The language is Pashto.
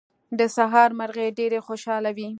د سهار مرغۍ ډېرې خوشاله وې.